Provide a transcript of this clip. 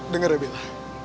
dengar ya bella